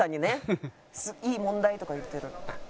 「いい問題」とかいってる。